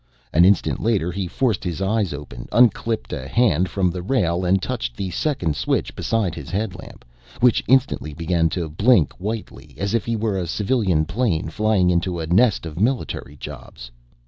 An instant later he forced his eyes open, unclipped a hand from the rail and touched the second switch beside his headlamp, which instantly began to blink whitely, as if he were a civilian plane flying into a nest of military jobs.